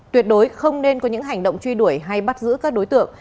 tuyệt đối không nên có những hành động truy đuổi hay bắt giữ các đối tượng